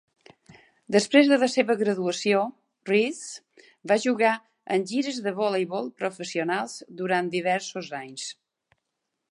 Després de la seva graduació, Reece va jugar en gires de voleibol professionals durant diversos anys.